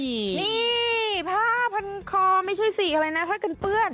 นี่ผ้าพันคอไม่ใช่สีอะไรนะผ้ากันเปื้อน